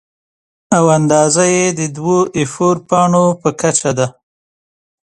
او اندازه یې د دوو اې فور پاڼو په کچه ده.